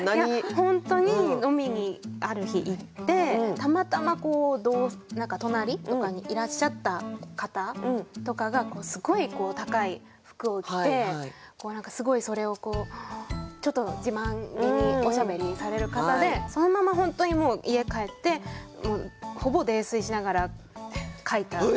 本当に飲みにある日行ってたまたま隣とかにいらっしゃった方とかがすごい高い服を着てすごいそれをこうちょっと自慢気におしゃべりされる方でそのまま本当に家帰ってほぼ泥酔しながら書いた感じで。